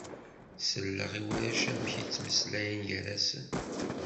Selleɣ i warrac amek i ttmeslayen gar-asen.